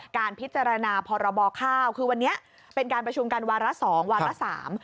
การพิจารณาพรบข้าวคือวันนี้เป็นการประชุมกันวาระสองวาระสาม